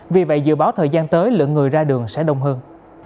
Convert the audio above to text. vì vậy dự báo thời gian tới lượng người ra đường sẽ đông hơn